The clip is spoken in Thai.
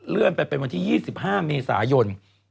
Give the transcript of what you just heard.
เลื่อนไปเป็นวันที่๒๕เมษายน